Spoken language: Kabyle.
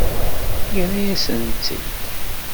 Yerra-yasen-tt-id.